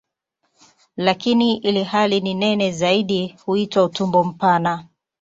Lakini ilhali ni nene zaidi huitwa "utumbo mpana".